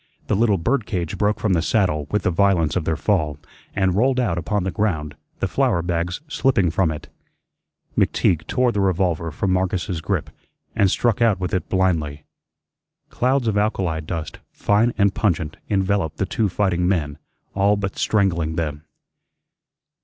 The little bird cage broke from the saddle with the violence of their fall, and rolled out upon the ground, the flour bags slipping from it. McTeague tore the revolver from Marcus's grip and struck out with it blindly. Clouds of alkali dust, fine and pungent, enveloped the two fighting men, all but strangling them.